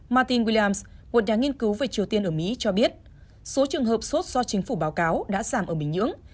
martin williams một đảng nghiên cứu về triều tiên ở mỹ cho biết số trường hợp sốt do chính phủ báo cáo đã giảm ở bình nhưỡng